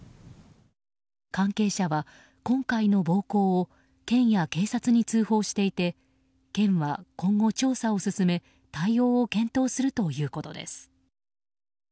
関係者は今回の暴行を県や警察に通報していて県は、今後調査を進め対応を検討するということです。